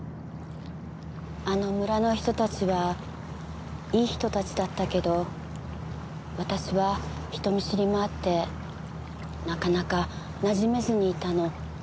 あの村の人たちはいい人たちだったけど私は人見知りもあってなかなかなじめずにいたの。